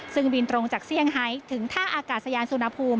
ซึ่งบินตรงจากเซี่ยงไฮถึงท่าอากาศยานสุนภูมิ